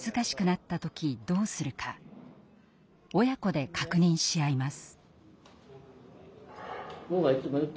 親子で確認し合います。